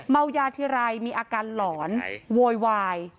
เมายาทีไรมีอาการหลอนโวยวาย